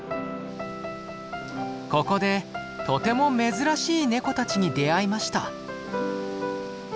ここでとても珍しいネコたちに出会いました。